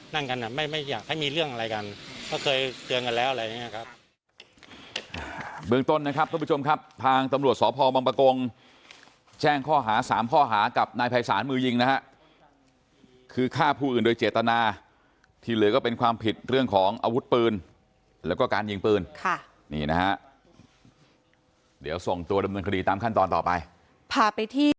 นั่นกันอ่ะไม่ไม่อยากให้มีเรื่องอะไรกันก็เคยเจอกันแล้วอะไรอย่างเงี้ยครับ